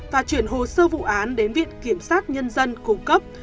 và chuyển hồ sơ vụ án đến viện kiểm sát nhân dân cung cấp